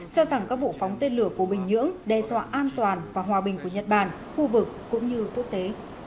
cho rằng các vụ phóng tên lửa của bình nhưỡng đe dọa an toàn và hòa bình của nhật bản khu vực cũng như quốc tế